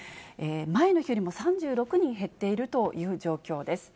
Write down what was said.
前の日よりも３６人減っているという状況です。